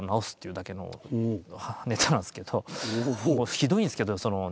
ひどいんですけどそのね